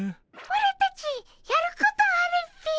オラたちやることあるっピィ。